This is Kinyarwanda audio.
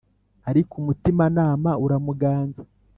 ariko umutima nama uramuganza